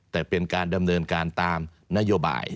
แต่เป็นการดำเนินการตามนโยบาย